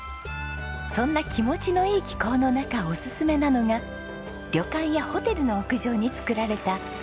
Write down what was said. そんな気持ちのいい気候の中おすすめなのが旅館やホテルの屋上に作られた展望露天風呂。